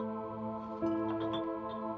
gak ada yang bisa dihukum